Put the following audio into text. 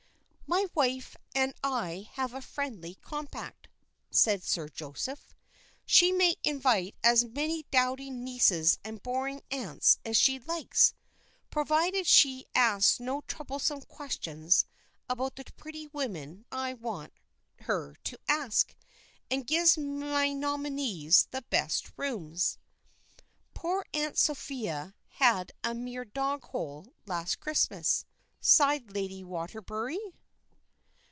"My wife and I have a friendly compact," said Sir Joseph. "She may invite as many dowdy nieces and boring aunts as she likes, provided she asks no troublesome questions about the pretty women I want her to ask, and gives my nominees the best rooms." "Poor Aunt Sophia had a mere dog hole last Christmas," sighed Lady Waterbury.